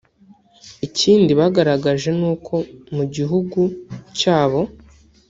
Ikindi bagaragaje ni uko mu gihugu cyabo